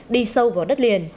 đi sâu vào đất liền